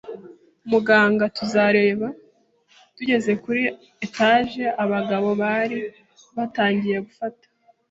muganga, “tuzareba.” Tugeze kuri etage, abagabo bari batangiye gufata